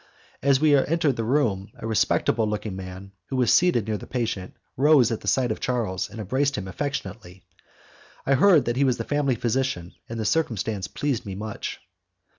As we entered the room, a respectable looking man, who was seated near the patient, rose at the sight of Charles, and embraced him affectionately. I heard that he was the family physician, and the circumstance pleased me much.